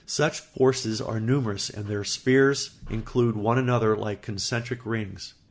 Such forces are numerous and their spheres include one another like concentric rings.